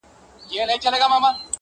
قاضي و ویل سړي ته نه شرمېږي,